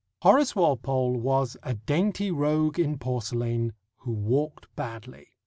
Horace Walpole was "a dainty rogue in porcelain" who walked badly.